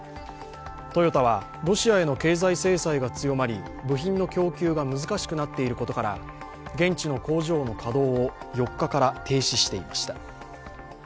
トヨタは、ロシアへの経済制裁が強まり部品の供給が難しくなってきていることから現地の工場の稼働を４日から停止していました。